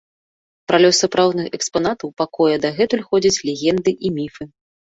Пра лёс сапраўдных экспанатаў пакоя дагэтуль ходзяць легенды і міфы.